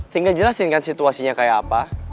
sehingga jelasin kan situasinya kayak apa